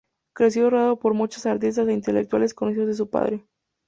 Creció rodeado por muchos artistas e intelectuales conocidos de su padre.